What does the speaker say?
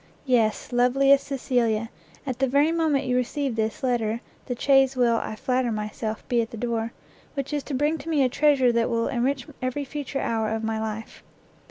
Yes, loveliest Cecilia! at the very moment you receive this letter, the chaise will, I flatter myself, be at the door, which is to bring to me a treasure that will enrich every future hour of my life!